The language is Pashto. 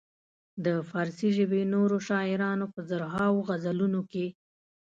د فارسي ژبې نورو شاعرانو په زرهاوو غزلونو کې.